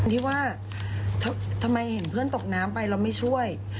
ที่ว่าทำไมเห็นเพื่อนตกน้ำไปเราไม่ช่วย